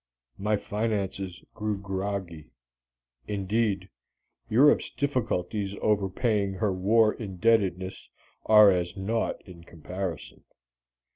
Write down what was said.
My finances grew groggy. Indeed, Europe's difficulties over paying her war indebtedness are as naught in comparison.